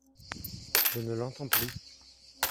Je ne l'entends plus.